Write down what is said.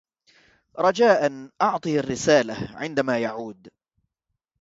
رجاءً أعطه الرسالة عندما يعود.